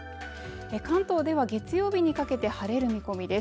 関東では月曜日にかけて晴れる見込みです